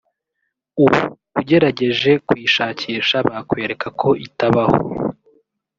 ubu ugerageje kuyishakisha bakwereka ko itabaho